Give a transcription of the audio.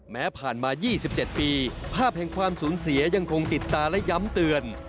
ผ่านมา๒๗ปีภาพแห่งความสูญเสียยังคงติดตาและย้ำเตือน